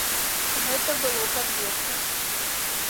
Гэта было пад вечар.